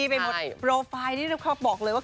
ไปหมดโปรไฟล์ที่เขาบอกเลยว่า